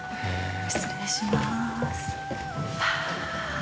◆失礼します。